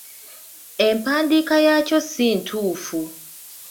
Empandiika yaakyo si ntuufu.